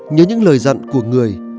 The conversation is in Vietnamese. nhớ những lời dặn của người